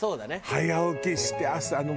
早起きして朝の。